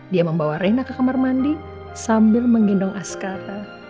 dia membawa riana ke kamar mandi sambil menggindong askara